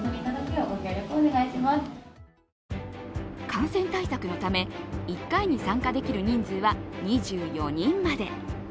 感染対策のため、１回に参加できる人数は２４人まで。